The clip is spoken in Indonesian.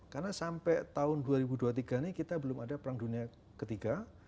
karena sampai tahun dua ribu dua puluh tiga ini kita belum ada perang dunia ketiga